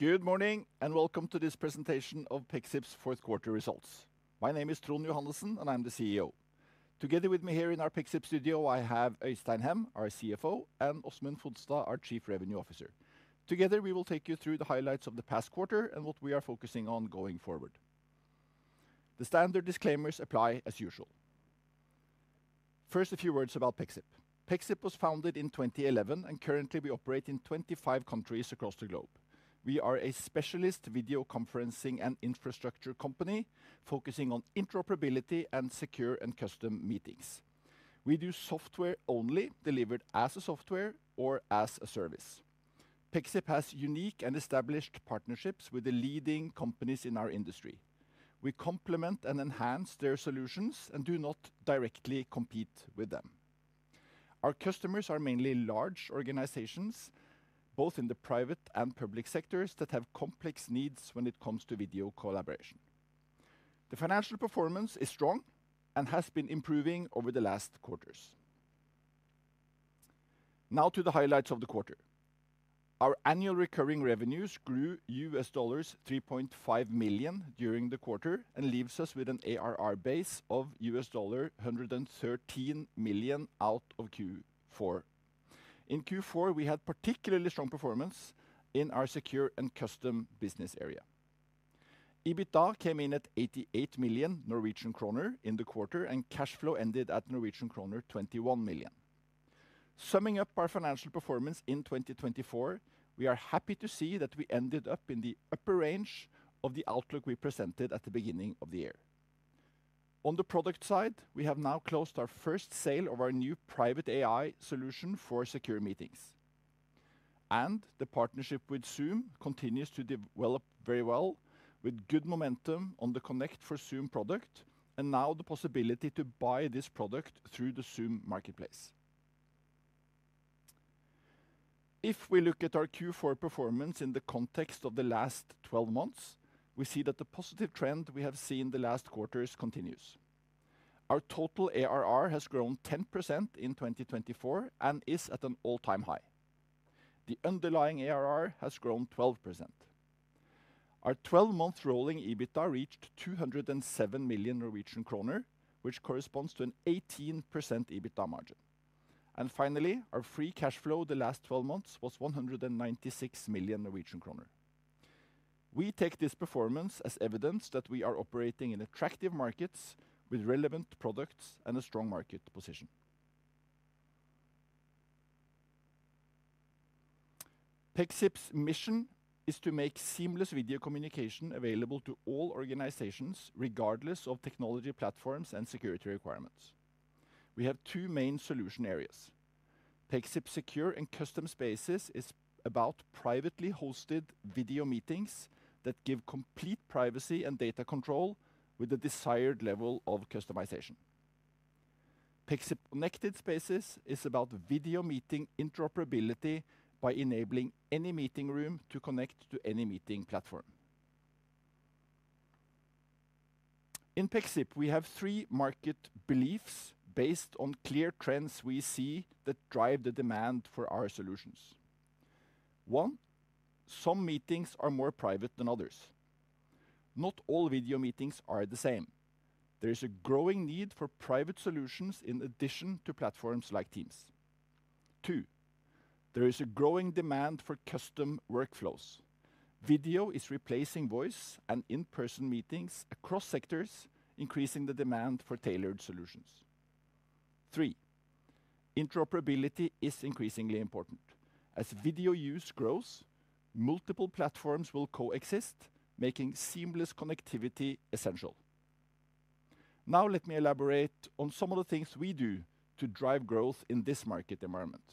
Good morning and welcome to this presentation of Pexip's fourth quarter results. My name is Trond Johannessen and I'm the CEO. Together with me here in our Pexip studio I have Øystein Hem, our CFO and Åsmund Fodstad, our Chief Revenue Officer. Together we will take you through the highlights of the past quarter and what we are focusing on going forward. The standard disclaimers apply as usual. First, a few words about Pexip. Pexip was founded in 2011 and currently we operate in 25 countries across the globe. We are a specialist video conferencing and infrastructure company focusing on interoperability and Secure and Custom meetings. We do software only, delivered as a software or as a service. Pexip has unique and established partnerships with the leading companies in our industry. We complement and enhance their solutions and do not directly compete with them. Our customers are mainly large organizations both in the private and public sectors that have complex needs when it comes to video collaboration. The financial performance is strong and has been improving over the last quarters. Now to the highlights of the quarter. Our annual recurring revenues grew $3.5 million during the quarter and leaves us with an ARR base of $113 million out of Q4. In Q4 we had particularly strong performance in our Secure and Custom business area. EBITDA came in at 88 million Norwegian kroner in the quarter and cash flow ended at Norwegian kroner 21 million. Summing up our financial performance in 2024, we are happy to see that we ended up in the upper range of the outlook we presented at the beginning of the year. On the product side, we have now closed our first sale of our new private AI solution for secure meetings and the partnership with Zoom continues to develop very well with good momentum on the Connect for Zoom product and now the possibility to buy this product through the Zoom Marketplace. If we look at our Q4 performance in the context of the last 12 months, we see that the positive trend we have seen the last quarters continues. Our total ARR has grown 10% in 2024 and is at an all-time high. The underlying ARR has grown 12%. Our 12-month rolling EBITDA reached 207 million Norwegian kroner which corresponds to an 18% EBITDA margin and finally our free cash flow the last 12 months was 196 million Norwegian kroner. We take this performance as evidence that we are operating in attractive markets with relevant products and a strong market position. Pexip's mission is to make seamless video communication available to all organizations regardless of technology, platforms and security requirements. We have two main solutions. Pexip Secure and Custom Spaces is about privately hosted video meetings that give complete privacy and data control with the desired level of customization. Pexip Connected Spaces is about video meeting interoperability by enabling any meeting room to connect to any meeting platform. In Pexip, we have three market beliefs based on clear trends. We see that drive the demand for our solutions. One. Some meetings are more private than others. Not all video meetings are the same. There is a growing need for private solutions in addition to platforms like Teams. Two. There is a growing demand for custom workflows. Video is replacing voice and in person meetings across sectors, increasing the demand for tailored solutions. Three. Interoperability is increasingly important. As video use grows, multiple platforms will coexist, making seamless connectivity essential. Now let me elaborate on some of the things we do to drive growth in this market environment.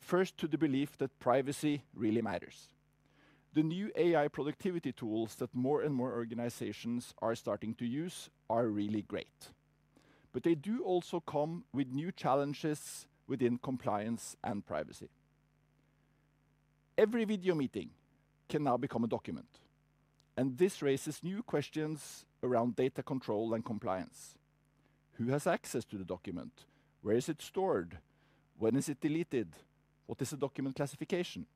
First, to the belief that privacy really matters. The new AI productivity tools that more and more organizations are starting to use are really great, but they do also come with new challenges within compliance and privacy. Every video meeting can now become a document and this raises new questions around data control and compliance. Who has access to the document? Where is it stored? When is it deleted? What is the document classification,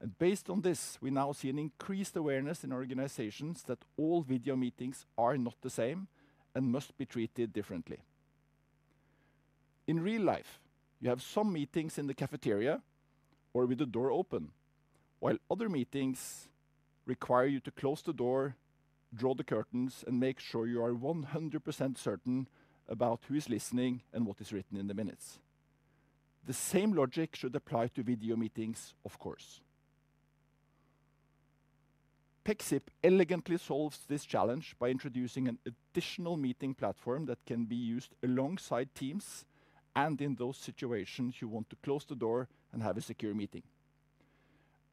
and based on this we now see an increased awareness in organizations that all video meetings are not the same and must be treated differently. In real life, you have some meetings in the cafeteria or with the door open, while other meetings require you to close the door, draw the curtains and make sure you are 100% certain about who is listening and what is written in the minutes. The same logic should apply to video meetings. Of course. Pexip elegantly solves this challenge by introducing an additional meeting platform that can be used alongside Teams and in those situations you want to close the door and have a secure meeting.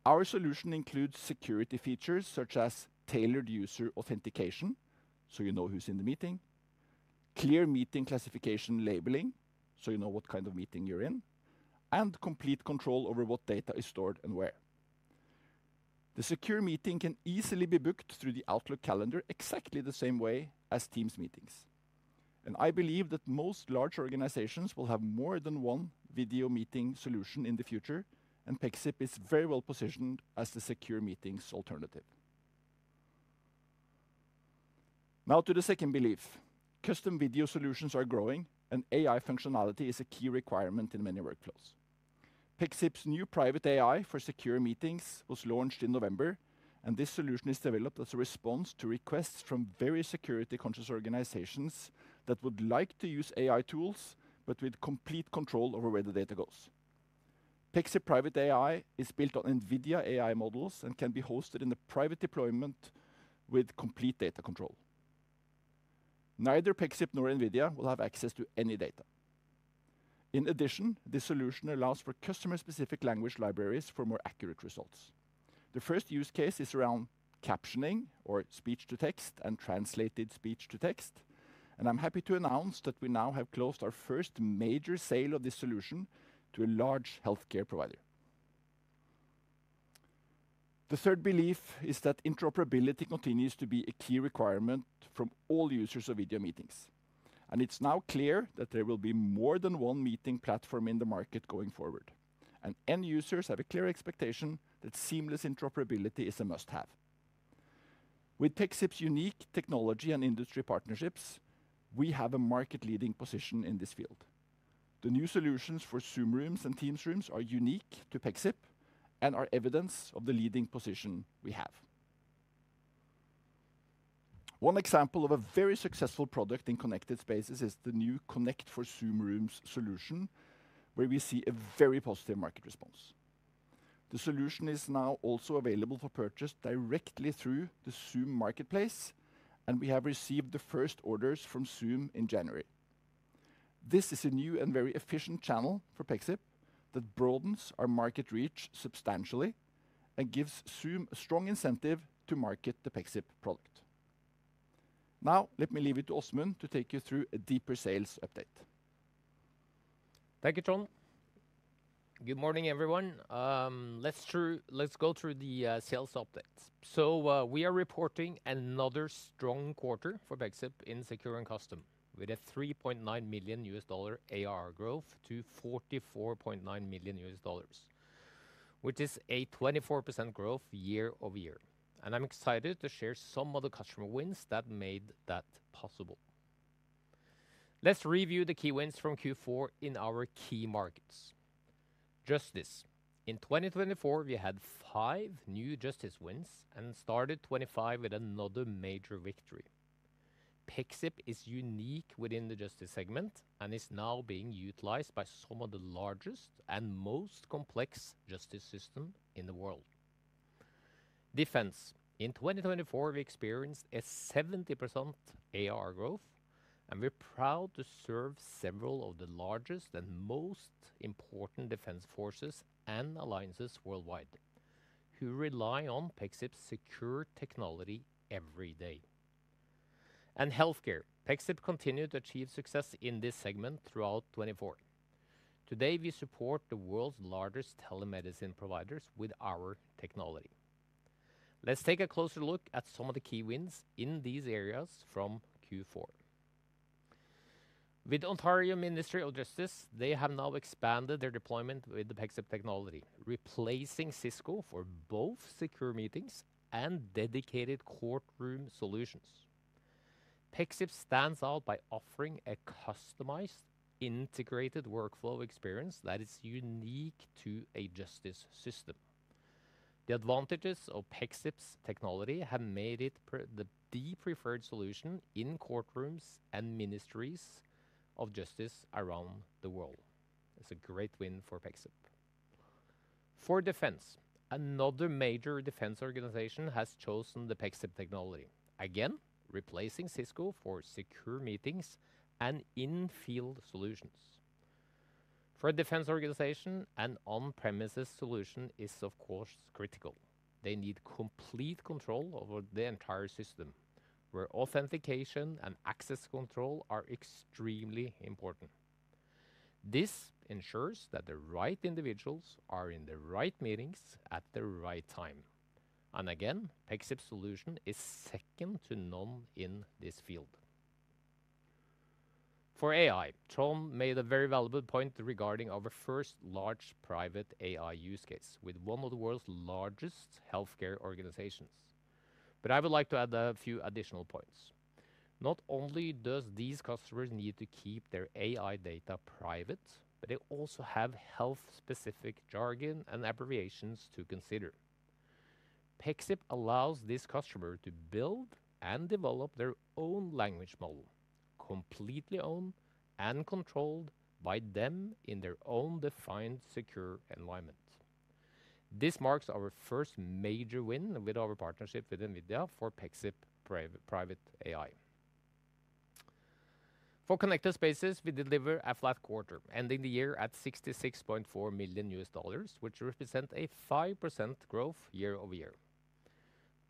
Our solution includes security features such as tailored user authentication so you know who's in the meeting, clear meeting classification labeling so you know what kind of meeting you're in and complete control over what data is stored and where. The secure meeting can easily be booked through the Outlook Calendar exactly the same way as Teams meetings, and I believe that most large organizations will have more than one video meeting solution in the future and Pexip is very well positioned as the secure meetings alternative. Now to the second belief. Custom video solutions are growing and AI functionality is a key requirement in many workflows. Pexip's new private AI for secure meetings was launched in November and this solution is developed as a response to requests from various security conscious organizations that would like to use AI tools but with complete control over where the data goes. Pexip Private AI is built on NVIDIA AI models and can be hosted in the private deployment with complete data control. Neither Pexip nor NVIDIA will have access to any data. In addition, this solution allows for customer specific language libraries for more accurate results. The first use case is around captioning or speech to text and translated speech to text and I'm happy to announce that we now have closed our first major sale of this solution to a large healthcare provider. The third belief is that interoperability continues to be a key requirement from all users of video meetings and it's now clear that there will be more than one meeting platform in the market going forward and end users have a clear expectation that seamless interoperability is a must have. With Pexip's unique technology and industry partnerships we have a market leading position in this field. The new solutions for Zoom Rooms and Teams Rooms are unique to Pexip and are evidence of the leading position we have. One example of a very successful product in Connected Spaces is the new Connect for Zoom Rooms solution where we see a very positive market response. The solution is now also available for purchase directly through the Zoom Marketplace and we have received the first orders from Zoom in January. This is a new and very efficient channel for Pexip that broadens our market reach substantially and gives Zoom a strong incentive to market the Pexip product. Now let me leave it to Åsmund to take you through a deeper sales update. Thank you, Trond. Good morning everyone. Let's go through the sales updates, so we are reporting another strong quarter for Pexip in Secure and Custom with a $3.9 million ARR growth to $44.9 million which is a 24% growth year-over-year and I'm excited to share some of the customer wins that made that possible. Let's review the key wins from Q4 in our key markets. In justice, in 2024 we had five new justice wins and started 2025 with another major victory. Pexip is unique within the justice segment and is now being utilized by some of the largest and most complex justice systems in the world. In defense, in 2024 we experienced a 70% ARR growth and we are proud to serve several of the largest and most important defense forces and alliances worldwide who rely on Pexip's secure technology every day, and in healthcare. Pexip continued to achieve success in this segment throughout 2024. Today we support the world's largest telemedicine providers with our technology. Let's take a closer look at some of the key wins in these areas from Q4. With Ontario Ministry of Justice they have now expanded their deployment with the Pexip technology, replacing Cisco for both secure meetings and dedicated courtroom solutions. Pexip stands out by offering a customized integrated workflow experience that is unique to a justice system. The advantages of Pexip's technology have made it the preferred solution in courtrooms and ministries of justice around the world. It's a great win for Pexip. For Defense, another major defense organization has chosen the Pexip technology, again replacing Cisco for secure meetings and in field solutions. For a defense organization, an on-premises solution is of course critical. They need complete control over the entire system where authentication and access control are expanded. Extremely important. This ensures that the right individuals are in the right meetings at the right time. And again, Pexip's solution is second to none in this field. For AI Trond made a very valuable point regarding our first large private AI use case with one of the world's largest healthcare organizations, but I would like to add a few additional points. Not only does these customers need to keep their AI data private, but they also have health-specific jargon and abbreviations to consider. Pexip allows this customer to build and develop their own language model completely owned and controlled by them in their own defined secure environment. This marks our first major win with our partnership with NVIDIA for Pexip Private AI. For Connected Spaces. We deliver a flat quarter ending the year at $66.4 million which represent a 5% growth year over year.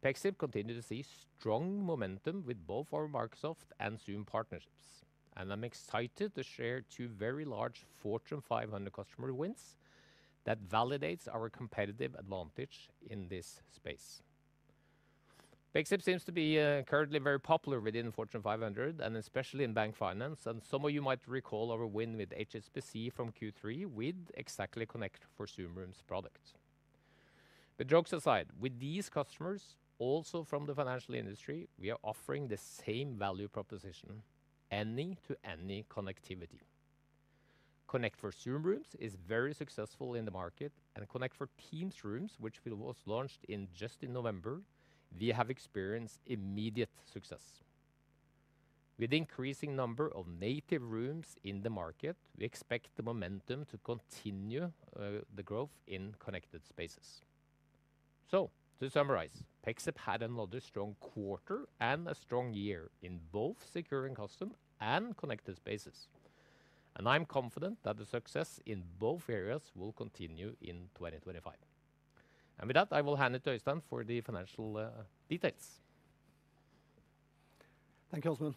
Pexip continues to see strong momentum with both our Microsoft and Zoom partnerships and I'm excited to share two very large Fortune 500 customer wins that validates our competitive advantage in this space. Pexip seems to be currently very popular within Fortune 500 and especially in bank finance. Some of you might recall our win with HSBC from Q3 with exactly Connect for Zoom Rooms products. But jokes aside, with these customers also from the financial industry we are offering the same value proposition any to any connectivity. Connect for Zoom Rooms is very successful in the market and Connect for Teams Rooms which was launched just in November. We have experienced immediate success with increasing number of native rooms in the market. We expect the momentum to continue the growth in Connected Spaces. So to summarize, Pexip had another strong quarter and a strong year in both Secure and Custom and Connected Spaces, and I'm confident that the success in both areas will continue in 2025, and with that I will hand it to Øystein for the financial details. Thank you Åsmund.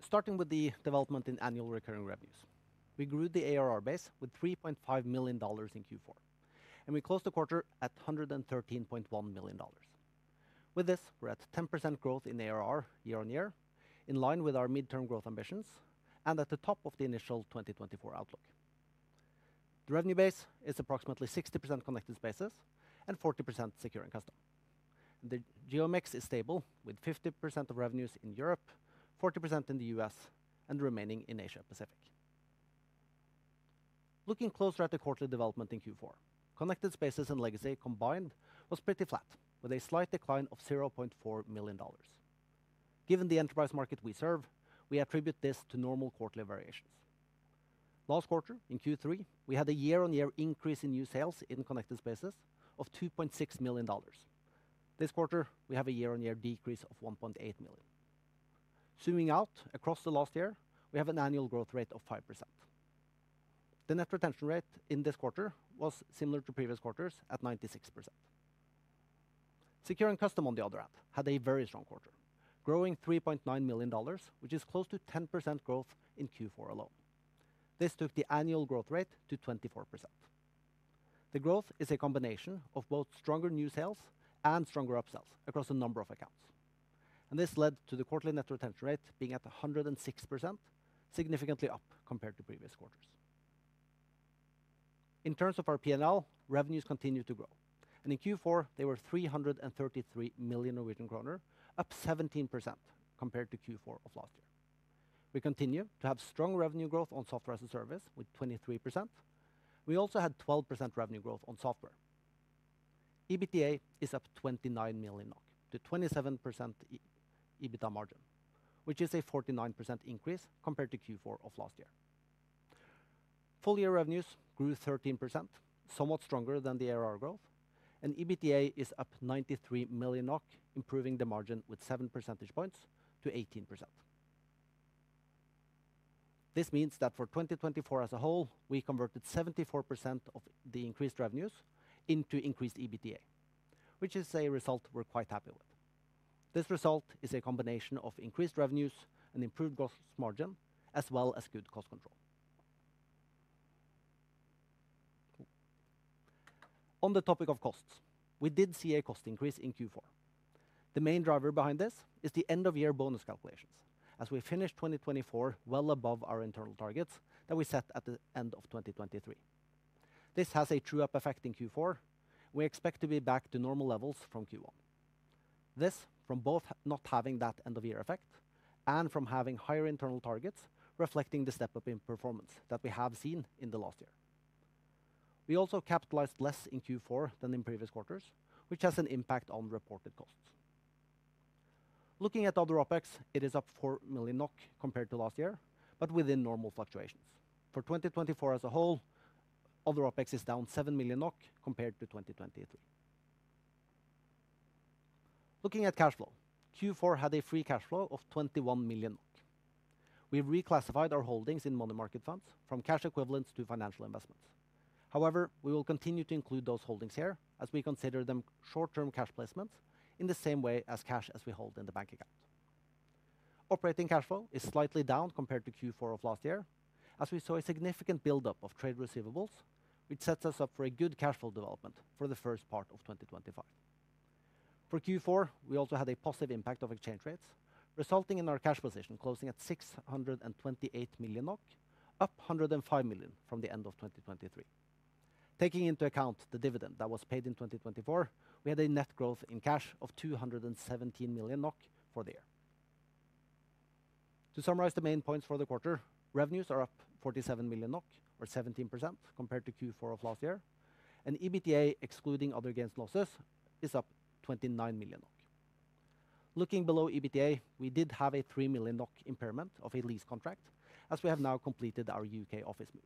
Starting with the development in annual recurring revenues, we grew the ARR base with $3.5 million in Q4 and we closed the quarter at $113.1 million. With this we're at 10% growth in ARR year-on-year in line with our mid term growth ambitions and at the top of the initial 2024 outlook. The revenue base is approximately 60% Connected Spaces and 40% Secure and Custom. The geo mix is stable with 50% of revenues in Europe, 40% in the U.S. and remaining in Asia Pacific. Looking closer at the quarterly development in Q4, Connected Spaces and Legacy combined was pretty flat with a slight decline of $0.4 million. Given the enterprise market we serve, we attribute this to normal quarterly variations. Last quarter in Q3 we had a year on year increase in new sales in Connected Spaces of $2.6 million. This quarter we have a year-on-year decrease of $1.8 million. Zooming out across the last year, we have an annual growth rate of 5%. The net retention rate in this quarter was similar to previous quarters at 96%. Secure and Custom on the other hand had a very strong quarter growing $3.9 million which is close to 10% growth. In Q4 alone, this took the annual growth rate to 24%. The growth is a combination of both stronger new sales and stronger upsells across a number of accounts and this led to the quarterly net retention rate being at 106%, significantly up compared to previous quarters. In terms of our P&L, revenues continue to grow and in Q4 they were 333 million Norwegian kroner, up 17% compared to Q4 of last year. We continue to have strong revenue growth on software as a service with 23%. We also had 12% revenue growth on software. EBITDA is up 29 million to 27% EBITDA margin, which is a 49% increase compared to Q4 of last year. Full year revenues grew 13%, somewhat stronger than the ARR growth and EBITDA is up 93 million NOK, improving the margin with seven percentage points to 18%. This means that for 2024 as a whole, we converted 74% of the increased revenues into increased EBITDA, which is a result we're quite happy with. This result is a combination of increased revenues and improved gross margin as well as good cost control. On the topic of costs, we did see a cost increase in Q4. The main driver behind this is the end of year bonus calculations as we finish 2024 well above our internal targets that we set at the end of 2023. This has a true up effect in Q4. We expect to be back to normal levels from Q1. This from both not having that end of year effect and from having higher internal targets reflecting the step up in performance that we have seen in the last year. We also capitalized less in Q4 than in previous quarters which has an impact on reported costs. Looking at other OPEX, it is up 4.4 million NOK compared to last year, but within normal fluctuations for 2024 as a whole, other OPEX is down 7 million NOK compared to 2023. Looking at cash flow, Q4 had a free cash flow of 21 million. We reclassified our holdings in money market funds from cash equivalents to financial investments. However, we will continue to include those holdings here as we consider them short-term cash placements in the same way as cash. As we hold in the bank account, operating cash flow is slightly down compared to Q4 of last year as we saw a significant buildup of trade receivables which sets us up for a good cash flow development for the first part of 2025. For Q4 we also had a positive impact of exchange rates resulting in our cash position closing at 628 million, up 105 million from the end of 2023. Taking into account the dividend that was paid in 2024, we had a net growth in cash of 217 million NOK for the year. To summarize the main points for the quarter, revenues are up 47 million NOK or 17% compared to Q4 of last year and EBITDA, excluding other gains losses, is up 29 million NOK. Looking below EBITDA, we did have a 3 million NOK impairment of a lease contract as we have now completed our U.K. office move.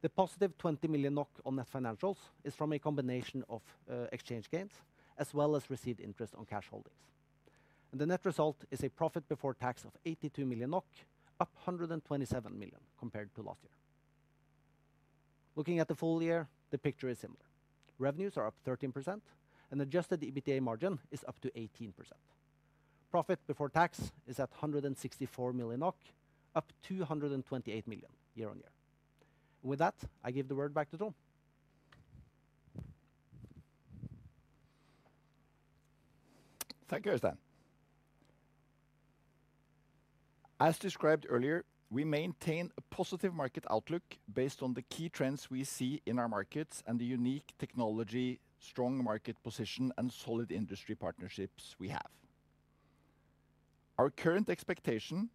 The positive 20 million NOK on net financials is from a combination of exchange gains as well as received interest on cash holdings. The net result is a profit before tax of 82 million NOK, up 127 million compared to last year. Looking at the full year, the picture is similar. Revenues are up 13% and adjusted EBITDA margin is up to 18%. Profit before tax is at 164 million NOK, up 228 million year on year. With that I give the word back to Trond. Thank you, Øystein. As described earlier. We maintain a positive market outlook based on the key trends we see in our markets and the unique technology, that strong market position and solid industry partnerships we have. Our current expectation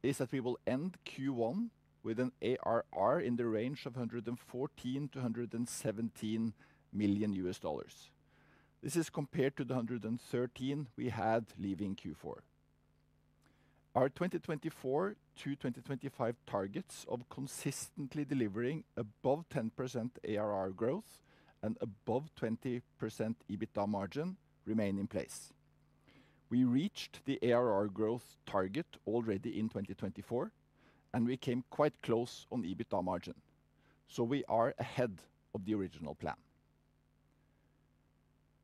is that we will end Q1 with an ARR in the range of $114 million-$117 million. This is compared to the $113 million we had leaving Q4. Our 2024 to 2025 targets of consistently delivering above 10% ARR growth and above 20% EBITDA margin remain in place. We reached the ARR growth target already in 2024 and we came quite close on EBITDA margin. So we are ahead of the original plan.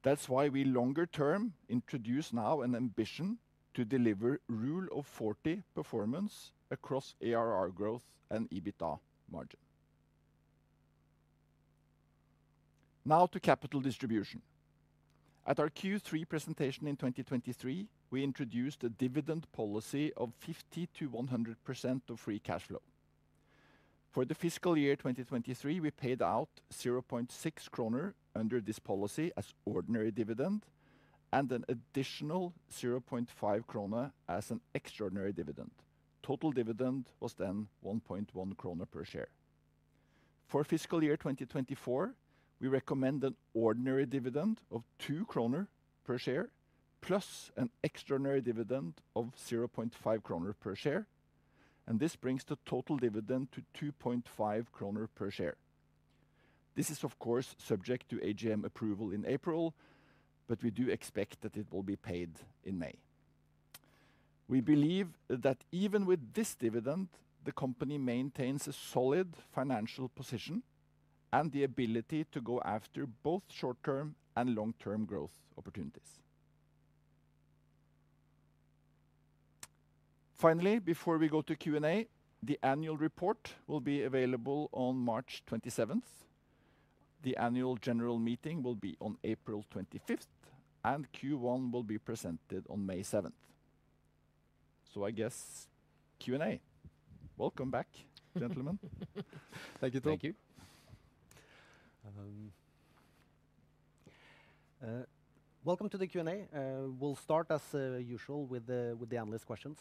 That's why we longer term introduce now an ambition to deliver Rule of 40 performance across ARR growth and EBITDA margin. Now, to capital distribution, at our Q3 presentation in 2023, we introduced a dividend policy of 50%-100% of free cash flow for the fiscal year 2023. We paid out 0.6 kroner under this policy as ordinary dividend and an additional 0.5 kroner as an extraordinary dividend. Total dividend was then 1.1 kroner per share. For fiscal year 2024, we recommend an ordinary dividend of 2 kroner per share plus an extraordinary dividend of 0.5 kroner per share, and this brings the total dividend to 2.5 kroner per share. This is of course subject to AGM approval in April, but we do expect that it will be paid in May. We believe that even with this dividend, the company maintains a solid financial position and the ability to go after both short term and long term growth opportunities. Finally, before we go to Q and A, the annual report will be available on March 27, the Annual General Meeting will be on April 25th and Q1 will be presented on May 7th. So I guess Q and A. Welcome back gentlemen. Thank you to. Welcome to the Q and A. We'll start as usual with the analyst questions.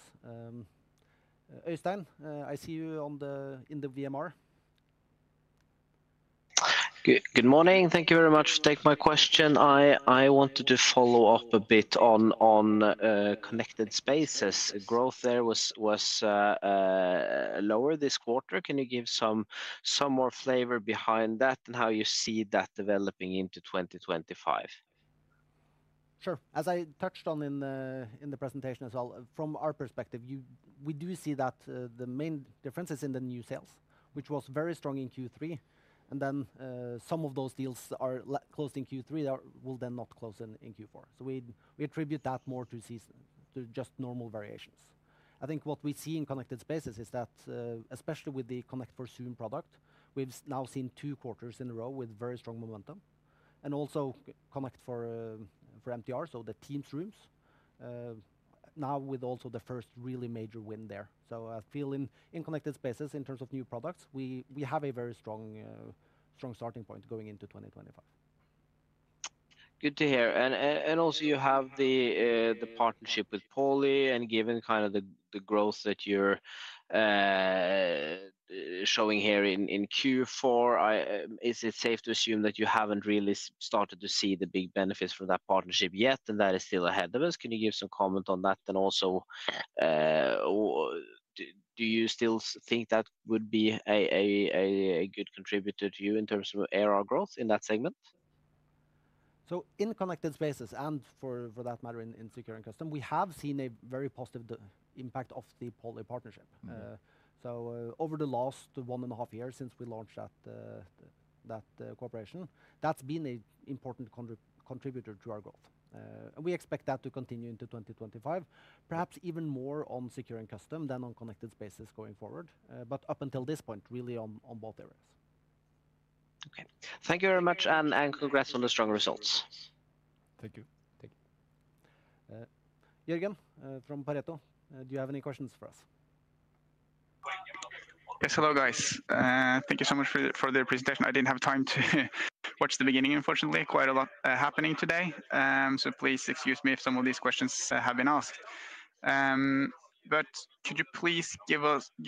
Øystein, I see you in the VMR. Good morning. Thank you very much for taking my question. I wanted to follow up a bit on Connected Spaces growth. There was lower this quarter. Can you give some more flavor behind that and how you see that developing into 2025? Sure. As I touched on in the presentation as well, from our perspective, we do see that the main difference is in the new sales, which was very strong in Q3, and then some of those deals that closed in Q3 will then not close in Q4. So we attribute that more to seasonality, just normal variations. I think what we see in Connected Spaces is that especially with the Connect for Zoom product, we've now seen two quarters in a row with very strong momentum and also Connect for MTR. So the Teams Rooms. Now with also the first really major win there. So I feel in Connected Spaces in terms of new products, we have a very strong starting point going into 2025. Good to hear. And also you have the partnership with Poly and given kind of the growth that you're. Showing here in Q4, is it safe to assume that you haven't really started to see the big benefits from that partnership yet, and that is still ahead of us. Can you give some comment on that? Do you still think that would be a good contributor to you in terms of AR growth in that segment? So in Connected Spaces and for that matter in Secure and Custom, we have seen a very positive impact of the Poly partnership. So over the last one and a half years since we launched that cooperation, that's been an important contributor to our growth. We expect that to continue into 2025, perhaps even more on Secure and Custom than on Connected Spaces going forward, but up until this point really on both areas. Okay, thank you very much and congrats on the strong results. Thank you. Jørgen from Pareto, do you have any questions for us? Yes, hello guys. Thank you so much for the presentation. I didn't have time to watch the beginning. Unfortunately quite a lot happening today. So please excuse me if some of these questions have been asked. But could you please give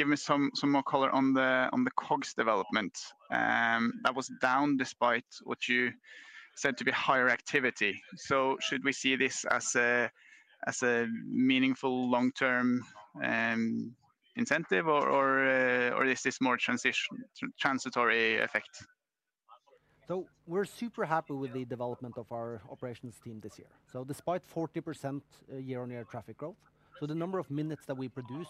me some more color on the COGS development that was down despite what you said to be higher activity? So should we see this as a meaningful long term? Incentive or is this more transitory effect? We're super happy with the development of our operations team this year. Despite 40% year-on-year traffic growth, the number of minutes that we produce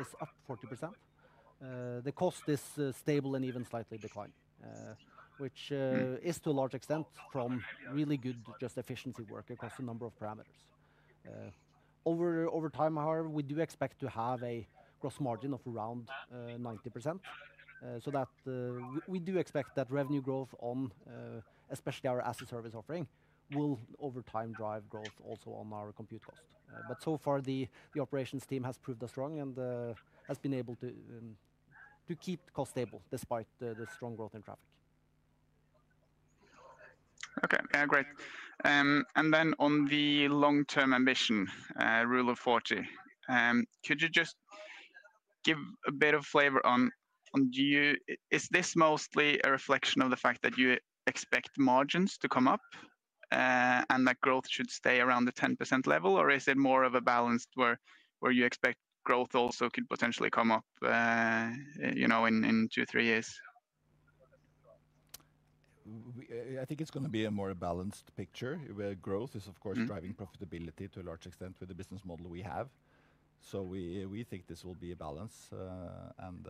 is up 40%, the cost is stable and even slightly decline which is to a large extent from really good just efficiency work across a number of parameters over time. However, we do expect to have a gross margin of around 90% so that we do expect that revenue growth on especially our as a service offering will over time drive growth also on our compute cost. So far the operations team has proved us wrong and has been able to keep cost stable despite the strong growth in traffic. Okay, great. And then on the long-term ambition Rule of 40, could you just give a bit of flavor on? Is this mostly a reflection of the fact that you expect margins to come up and that growth should stay around the 10% level or is it more of a balance where you expect growth also could potentially come up? In two, three years? I think it's going to be a more balanced picture where growth is of course driving profitability to a large extent with the business model we have. So we think this will be a balance. And.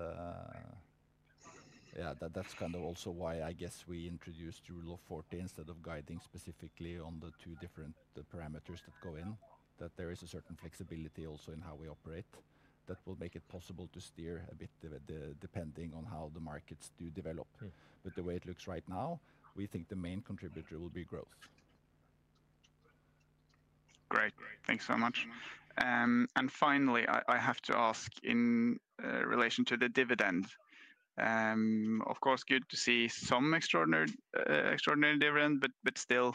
That's kind of also why, I guess, we introduced Rule of 40 instead of guiding specifically on the two different parameters that go in that. There is a certain flexibility also in how we operate that will make it possible to steer a bit depending on how the markets do develop. But the way it looks right now, we think the main contributor will be growth. Great, thanks so much. And finally, I have to ask in relation to the dividend, of course, good to see some extraordinary dividend. But still.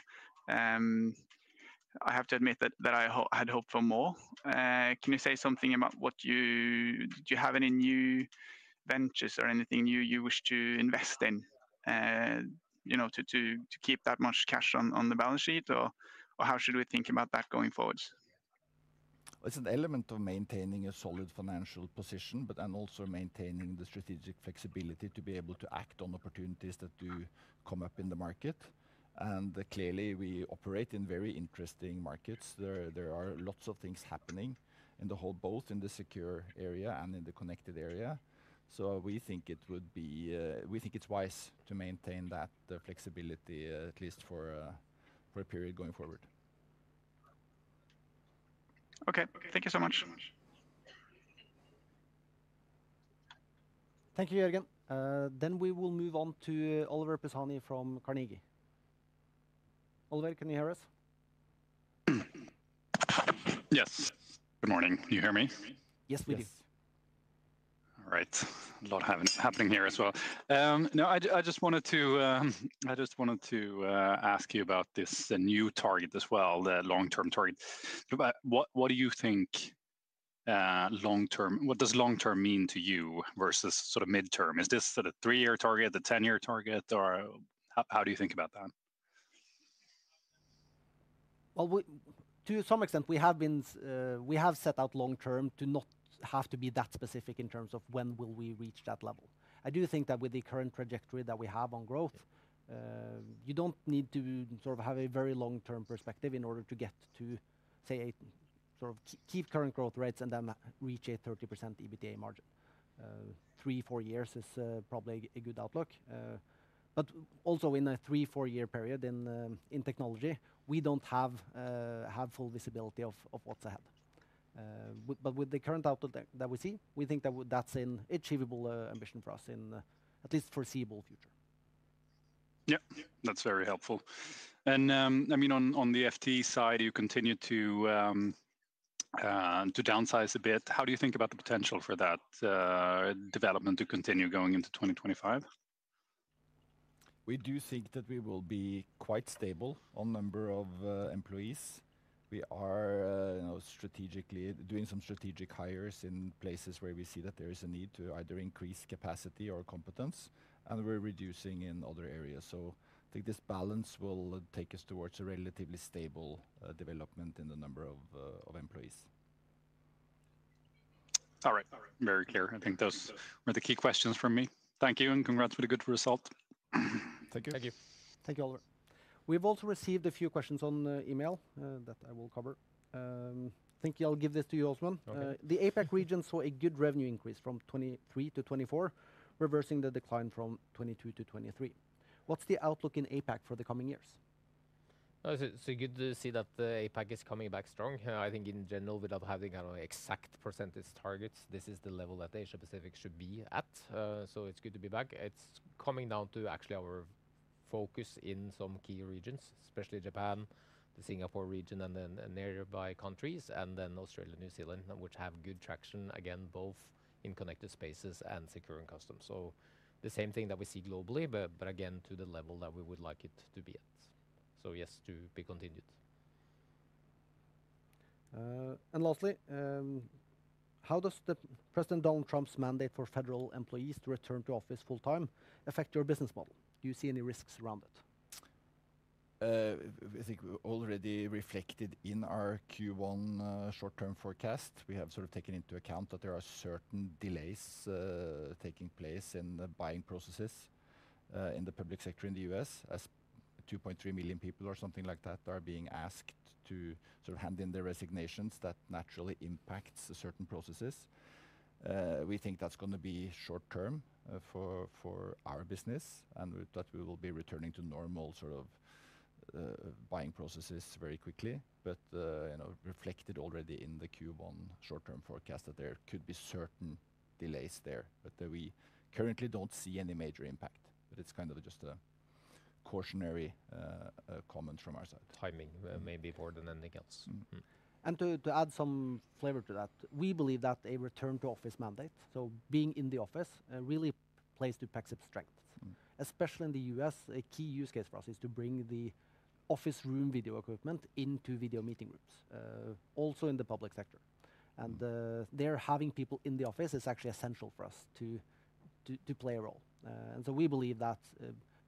I have to admit that I had hoped for more. Can you say something about what you do. Do you have any new ventures or anything you wish to invest in, you know, to keep that much cash on the balance sheet or how should we think about that going forward? It's an element of maintaining a solid financial position, but also maintaining the strategic flexibility to be able to act on opportunities that do come up in the market, and clearly we operate in very interesting markets. There are lots of things happening in the whole, both in the secure area and in the connected area, so we think it would be, we think it's wise to maintain that flexibility, at least for a period going forward. Okay, thank you so much. Thank you. Then we will move on to Oliver Pisani from Carnegie. Oliver, can you hear us? Yes, good morning, can you hear me? Yes, we do. All right. A lot happening here as well. No, I just wanted to ask you about this new target as well, the long term target. What do you think long term, what does long term mean to you versus sort of midterm? Is this sort of three year target, the ten year target or how do you think about that? To some extent we have set out long term to not have to be that specific in terms of when will we reach that level. I do think that with the current trajectory that we have on growth, you don't need to sort of have a very long term perspective in order to get to say, sort of keep current growth rates and then reach a 30% EBITDA margin. Three, four years is probably a good outlook. But also in a three, four-year period in technology, we don't have full visibility of what's ahead. But with the current outlook that we see, we think that that's an achievable ambition for us in at least foreseeable future. Yeah, that's very helpful. And I mean, on the FTE side, you continue to. Downsize a bit. How do you think about the potential for that development to continue going into 2025? We do think that we will be quite stable on number of employees. We are strategically doing some strategic hires in places where we see that there is a need to either increase capacity or competence, and we're reducing in other areas. So I think this balance will take us towards a relatively stable development in the number of employees. All right, very clear. I think those were the key questions for me. Thank you and congrats for the good result. Thank you. Thank you. Thank you, Oliver. We've also received a few questions on email that I will cover. Thank you. I'll give this to you, Åsmund. The APAC region saw a good revenue increase from 2023-2024, reversing the decline from 2022-2023. What's the outlook in APAC for the coming years? So good to see that the APAC is coming back strong. I think in general, without having an exact percentage targets, this is the level that Asia Pacific should be at. So it's good to be back. It's coming down to actually our focus in some key regions, especially Japan, the Singapore region and then nearby countries and then Australia, New Zealand, which have good traction again both in Connected Spaces and Secure and Custom. So the same thing that we see globally, but again to the level that we would like it to be at. So yes, to be continued. And lastly, how does President Donald Trump's mandate for federal employees to return to office full time affect your business model? Do you see any risks around it? I think it's already reflected in our Q1 short-term forecast. We have sort of taken into account that there are certain delays taking place in the buying processes in the public sector in the U.S. as 2.3 million people or something like that are being asked to sort of hand in their resignations. That naturally impacts certain processes. We think that's going to be short-term for our business and that we will be returning to normal sort of buying processes very quickly. But it's reflected already in the Q1 short-term forecast that there could be certain delays there, but we currently don't see any major impact. But it's kind of just a cautionary comment from our side, timing maybe more than anything else. To add some flavor to that, we believe that a return to office mandate, so being in the office really plays to Pexip's strength, especially in the U.S. A key use case for us is to bring the office room video equipment into video meeting rooms also in the public sector. There having people in the office is actually essential for us to play a role. We believe that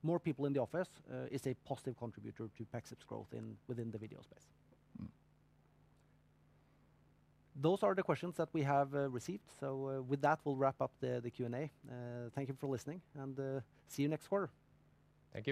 more people in the office is a positive contributor to Pexip's growth within the video space. Those are the questions that we have received. So with that, we'll wrap up the Q and A. Thank you for listening and see you next quarter. Thank you.